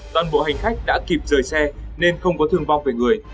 toàn bộ hành khách đã kịp rời xe nên không có thương vong về người